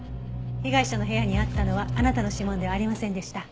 被害者の部屋にあったのはあなたの指紋ではありませんでした。